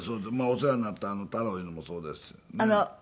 お世話になった太郎いうのもそうですね。